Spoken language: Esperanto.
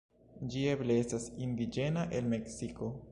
Ĝi eble estas indiĝena el Meksiko.